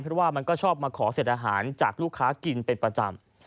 เพราะว่ามันก็ชอบมาขอเสร็จอาหารจากลูกค้ากินเป็นประจำ